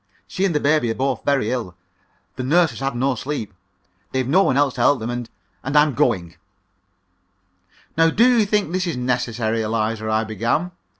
She and the baby are both very ill, the nurse has had no sleep, they've no one else to help them. And and I'm going!" "Now, do you think this is necessary, Eliza?" I began.